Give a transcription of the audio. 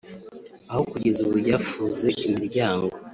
aho kugeza ubu ryafuze imiryango